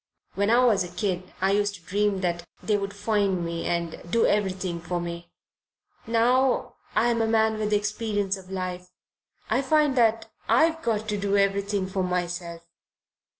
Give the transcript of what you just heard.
"When I was a kid I used to dream that they would find me and do everything for me. Now I'm a man with experience of life, I find that I've got to do everything for myself.